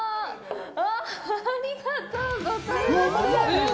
ありがとうございます